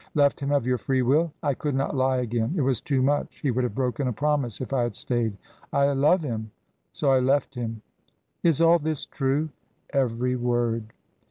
"Left him of your free will?" "I could not lie again. It was too much. He would have broken a promise if I had stayed. I love him so I left him." "Is all this true?" "Every word."